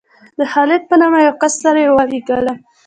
د خالد په نامه یو کس سره یې ولېږلم.